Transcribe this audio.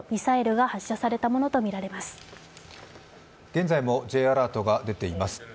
現在もＪアラートが出ています。